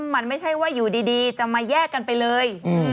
มันไม่ใช่ว่าอยู่ดีจะมาแยกกันไปเลย